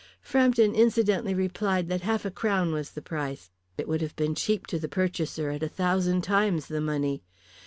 Frampton incidentally replied that half a crown was the price. It would have been cheap to the purchaser at a thousand times the money.